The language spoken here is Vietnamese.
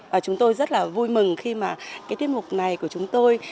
và chúng tôi rất là vui mừng khi mà cái tiết mục này của chúng tôi